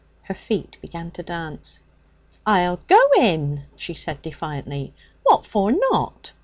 Her feet began to dance. 'I'll go in!' she said defiantly. 'What for not?'